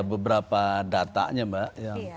beberapa datanya mbak